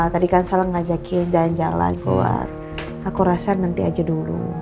tadi kan sal ngajakin jangan jalan buat aku rasain nanti aja dulu